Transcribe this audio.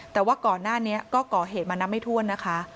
แต่ว่าก่อนหน้านี้ก็ก่อเหตุมานับไม่ถ้วนนะคะ